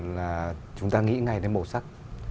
là chúng ta nghĩ ngay đến màu sắc